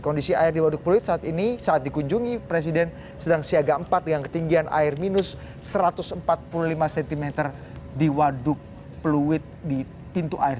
kondisi air di waduk pluit saat ini saat dikunjungi presiden sedang siaga empat dengan ketinggian air minus satu ratus empat puluh lima cm di waduk pluit di pintu air